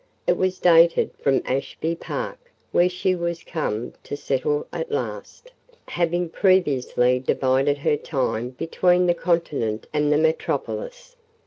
It was dated from Ashby Park, where she was come to settle down at last, having previously divided her time between the continent and the metropolis.